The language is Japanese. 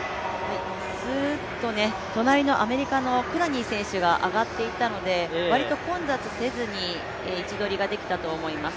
スーッと隣のアメリカのクラニー選手が上がっていったので割と混雑せずに位置取りができたと思います。